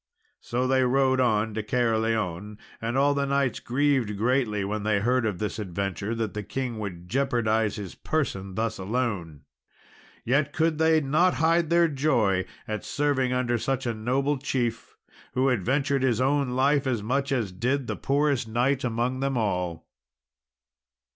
So they rode on to Caerleon, and all the knights grieved greatly when they heard of this adventure, that the king would jeopardise his person thus alone. Yet could they not hide their joy at serving under such a noble chief, who adventured his own life as much as did the poorest knight among them all.